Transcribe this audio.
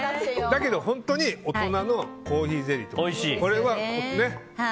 だけど本当に大人のコーヒーゼリーです。